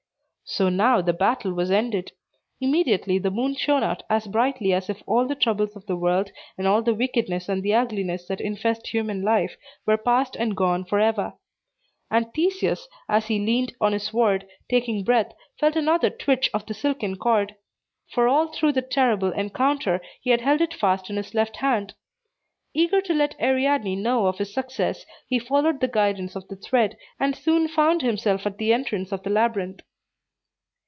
So now the battle was ended. Immediately the moon shone out as brightly as if all the troubles of the world, and all the wickedness and the ugliness that infest human life, were past and gone forever. And Theseus, as he leaned on his sword, taking breath, felt another twitch of the silken cord; for all through the terrible encounter, he had held it fast in his left hand. Eager to let Ariadne know of his success, he followed the guidance of the thread, and soon found himself at the entrance of the labyrinth.